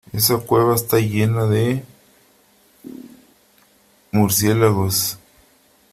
Esa cueva está llena de murciélagos.